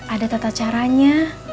ada tata caranya